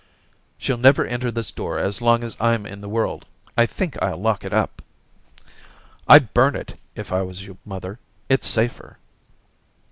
* She'll never enter this door as long as I'm in the world. ... I think I'll lock it up.' * I'd burn it, if I was you, mother. It's safer.'